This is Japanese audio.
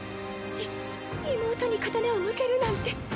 い妹に刀を向けるなんて。